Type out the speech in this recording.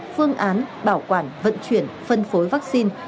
phương án bảo quản vận chuyển phân phối vaccine